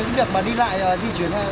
cái việc mà đi lại di chuyển